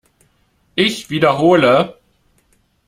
Ich wiederhole!